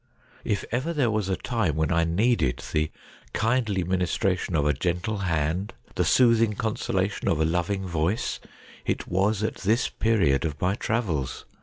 If ever there was a time when I needed the kindly minis tration of a gentle hand, the soothing consolation of a loving voice, it was at this period of my travels.